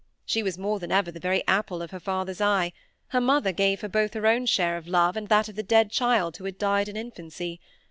She was more than ever the very apple of her father's eye; her mother gave her both her own share of love, and that of the dead child who had died in infancy.